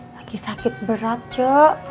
lagi sakit berat ce